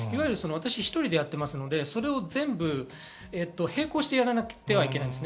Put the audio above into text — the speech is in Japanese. １人でやっていますので、全部、並行してやらなくてはいけないんです。